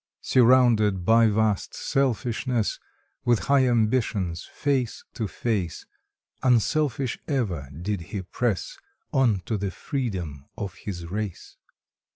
Surrounded by vast selfishness, With high ambitions face to face, Unselfish ever did he press On to the freedom of his race.